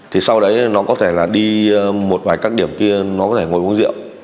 thì sau đấy nó có thể là đi một vài các điểm kia nó có thể ngồi uống rượu